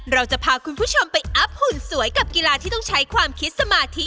เราจะพาคุณผู้ชมไปอัพหุ่นสวยกับกีฬาที่ต้องใช้ความคิดสมาธิ